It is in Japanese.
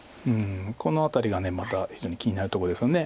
この辺りがまた非常に気になるとこですよね。